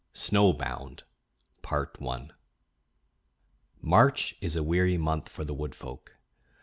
SNOW BOUND March is a weary month for the wood folk.